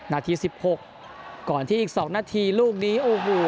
นาทีสิบหกก่อนที่อีกสองนาทีลูกนี้อู้หู